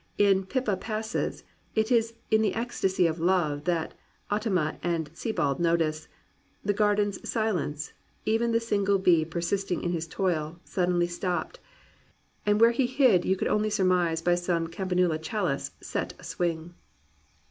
In Pippa Passesy it is in the ecstasy of love that Ottima and Sebald notice "The garden's silence: even the single bee Persisting in his toil, suddenly stopped. And where he hid you only could surmise By some campanula chalice set a swing.'